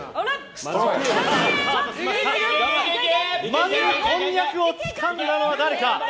まず、こんにゃくをつかんだのは誰か。